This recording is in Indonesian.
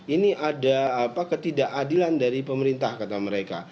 ini ada ketidakadilan dari pemerintah kata mereka